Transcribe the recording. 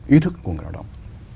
ý thức của người lao động